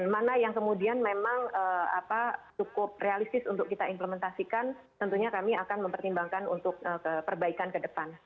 mana yang kemudian memang cukup realistis untuk kita implementasikan tentunya kami akan mempertimbangkan untuk perbaikan ke depan